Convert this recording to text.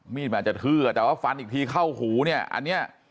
อาจจะทื้อแต่ว่าฟันอีกทีเข้าหูเนี่ยอันเนี้ย